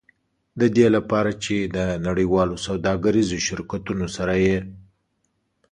د دې لپاره چې د نړیوالو سوداګریزو شرکتونو سره یې.